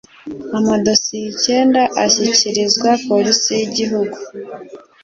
amadosiye icyenda ashyikirizwa polisi y’igihugu,